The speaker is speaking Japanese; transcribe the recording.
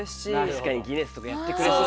確かにギネスとかやってくれそう。